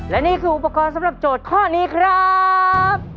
และนี่คืออุปกรณ์สำหรับโจทย์ข้อนี้ครับ